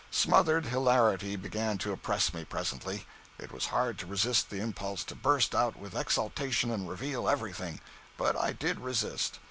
Smothered hilarity began to oppress me, presently. It was hard to resist the impulse to burst out with exultation and reveal everything; but I did resist.